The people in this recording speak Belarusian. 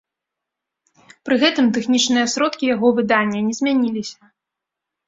Пры гэтым тэхнічныя сродкі яго выдання не змяніліся.